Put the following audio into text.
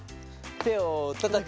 手をたたく。